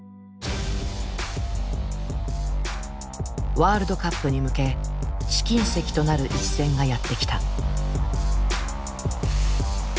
ワールドカップに向け試金石となる一戦がやって来た。